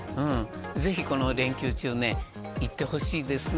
ぜひ、この連休中に行ってほしいですね。